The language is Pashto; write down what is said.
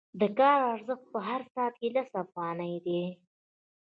د کار ارزښت په هر ساعت کې لس افغانۍ دی